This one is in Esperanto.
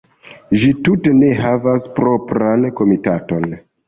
Ĝi tute ne havas propran komitaton.